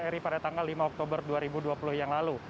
ri pada tanggal lima oktober dua ribu dua puluh yang lalu